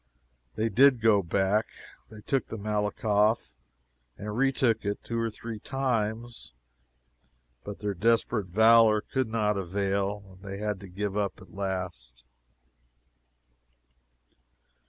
They did go back; they took the Malakoff and retook it two or three times, but their desperate valor could not avail, and they had to give up at last.